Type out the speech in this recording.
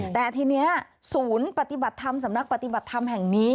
แต่ทีนี้ศูนย์ปฏิบัติธรรมสำนักปฏิบัติธรรมแห่งนี้